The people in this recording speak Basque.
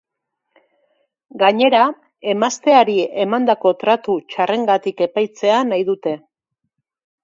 Gainera, emazteari emandako tratu txarrengatik epaitzea nahi dute.